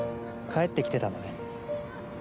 帰ってきてたんだね。